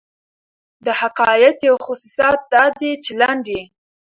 د حکایت یو خصوصیت دا دئ، چي لنډ يي.